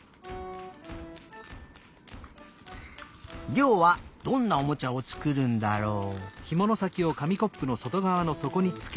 りょうはどんなおもちゃをつくるんだろう？